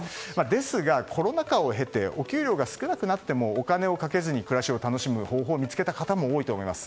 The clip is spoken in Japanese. ですが、コロナ禍を経てお給料が少なくなってもお金をかけずに暮らしを楽しむ方法を見つけた方も多いと思います。